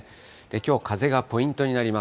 きょう、風がポイントになります。